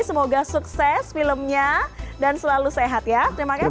semoga sukses filmnya dan selalu sehat ya terima kasih